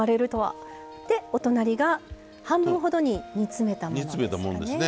お隣が半分ほどに煮詰めたものです。